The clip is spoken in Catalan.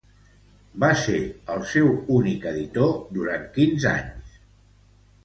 Va ser el seu únic editor durant quinze anys.